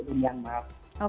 ke dunia mar